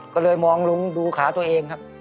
ก็เลยมองลุงดูขาตัวเองครับ